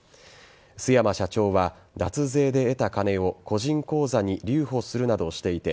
須山社長は脱税で得た金を個人口座に留保するなどしていて